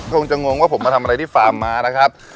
คงจะงงว่าผมมาทำอะไรที่ฟาร์มมานะครับ